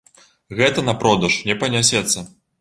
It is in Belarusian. Гэта на продаж не панясецца.